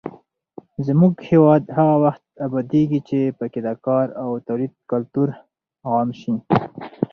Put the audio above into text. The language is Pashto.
زموږ هېواد هغه وخت ابادېږي چې پکې د کار او تولید کلتور عام شي.